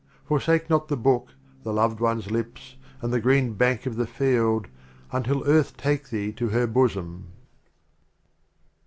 Forsake not the Book, the Loved One's Lips and the Green Bank of the Field Until Earth take thee to her Bosom.